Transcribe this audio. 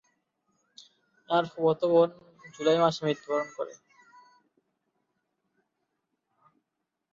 তার ফুফাতো বোন জুলাই মাসে মৃত্যুবরণ করে।